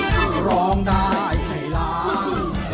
คือร้องได้ให้ล้าน